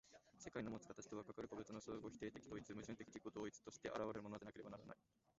世界のもつ形とは、かかる個物の相互否定的統一、矛盾的自己同一として現れるものでなければならない。